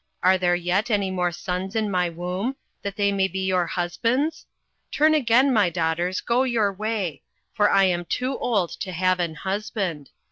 are there yet any more sons in my womb, that they may be your husbands? 08:001:012 Turn again, my daughters, go your way; for I am too old to have an husband.